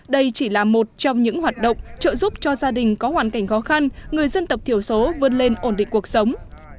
đây chỉ là một trong những hoạt động trợ giúp cho gia đình có hoàn cảnh khó khăn người dân tộc thiểu số vươn lên ổn định cuộc sống